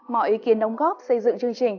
mọi ý kiến đóng góp xây dựng chương trình